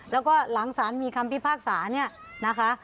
แล้วก็หลังสารมีคำพิพากษาเนี่ยนะคะ